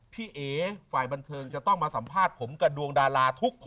เอ๋ฝ่ายบันเทิงจะต้องมาสัมภาษณ์ผมกับดวงดาราทุกคน